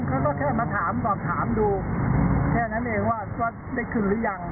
เขาก็แค่มาถามสอบถามดูแค่นั้นเองว่าได้คืนหรือยัง